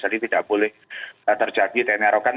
jadi tidak boleh terjadi tni arogan